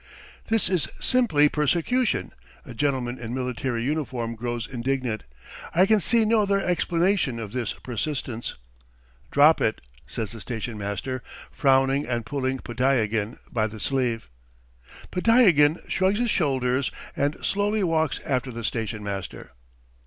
"This is simply persecution!" A gentleman in military uniform grows indignant. "I can see no other explanation of this persistence." "Drop it ..." says the station master, frowning and pulling Podtyagin by the sleeve. Podtyagin shrugs his shoulders and slowly walks after the station master.